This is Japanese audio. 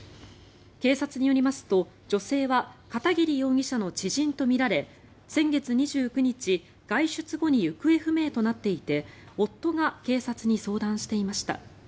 警察によりますと女性は片桐容疑者の知人とみられ先月２９日、外出後に行方不明となっていて夫が警察に相談していました。